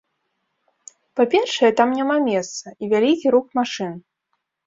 Па-першае, там няма месца і вялікі рух машын.